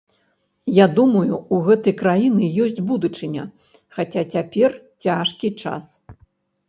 Я думаю, у гэтай краіны ёсць будучыня, хаця цяпер цяжкі час.